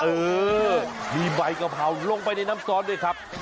เออมีใบกะเพราลงไปในน้ำซอสด้วยครับ